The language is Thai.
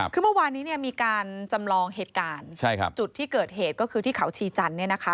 คือเมื่อวานนี้มีการจำลองเหตุการณ์จุดที่เกิดเหตุก็คือที่เขาชีจันทร์เนี่ยนะคะ